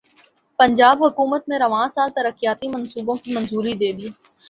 پنجاب حکومت نے رواں سال ترقیاتی منصوبوں کی منظوری دیدی